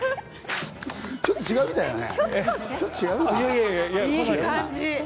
ちょっと違うみたいだね。